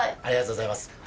ありがとうございます。